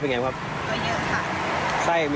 มักกล้า